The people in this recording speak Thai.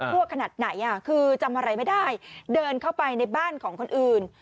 ขนาดไหนคือจำอะไรไม่ได้เดินเข้าไปในบ้านของคนอื่น